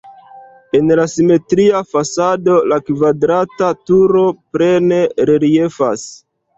En la simetria fasado la kvadrata turo plene reliefas.